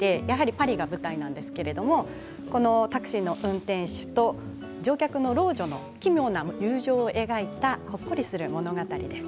パリが舞台なんですけれどタクシーの運転手と乗客の老女の奇妙な友情を描いたほっこりする物語です。